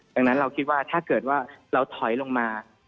ดังนั้นเราคิดว่าถ้าเกิดว่าเราถอยลงมา